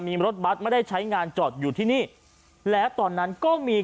มีรถบัตรไม่ได้ใช้งานจอดอยู่ที่นี่แล้วตอนนั้นก็มี